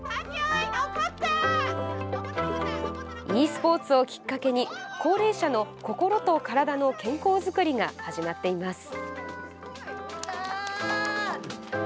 ｅスポーツをきっかけに高齢者の心と体の健康づくりが始まっています。